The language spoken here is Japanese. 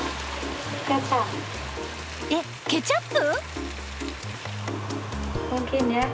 えっケチャップ？